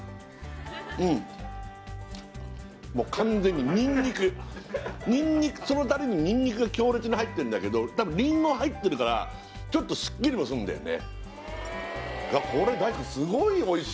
うんもう完全にニンニクニンニクそのたれにニンニクが強烈に入ってんだけど多分りんご入ってるからちょっとすっきりもするんだよね